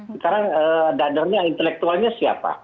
sekarang dadernya intelektualnya siapa